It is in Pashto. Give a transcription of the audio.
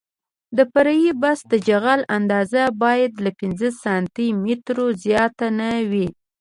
د فرعي بیس د جغل اندازه باید له پنځه سانتي مترو زیاته نه وي